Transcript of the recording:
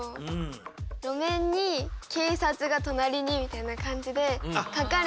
路面に「警察が隣に」みたいな感じで描かれてて。